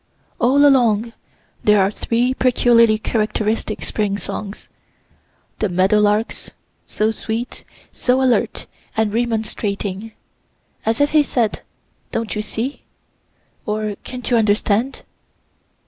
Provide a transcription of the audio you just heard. All along, there are three peculiarly characteristic spring songs the meadow lark's, so sweet, so alert and remonstrating (as if he said, "don't you see?" or, "can't you understand?")